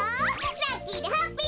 ラッキーでハッピー！